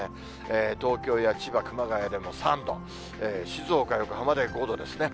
東京や千葉、熊谷でも３度、静岡、横浜で５度ですね。